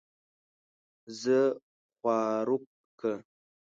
زۀ خواروک کۀ